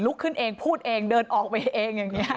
ขึ้นเองพูดเองเดินออกไปเองอย่างนี้